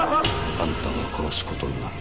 あんたが殺す事になる。